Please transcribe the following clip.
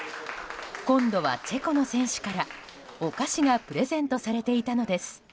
今度はチェコの選手からお菓子がプレゼントされていたのです。